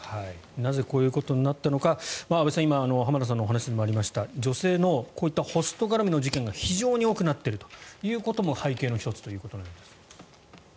なぜこういうことになったのか安部さん、今浜田さんのお話にもありました女性のこういったホスト絡みの事件が非常に多くなっていることも背景の１つということです。